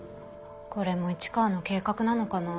これも市川の計画なのかなぁ。